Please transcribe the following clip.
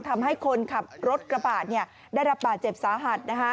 ทำให้คนขับรถกระบะได้รับบาดเจ็บสาหัส